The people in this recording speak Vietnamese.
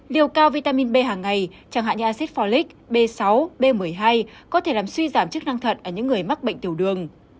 liều cao vitamin b hàng ngày chẳng hạn như acid folic b sáu b một mươi hai có thể làm suy giảm chức năng thận ở những người mắc bệnh tiểu đường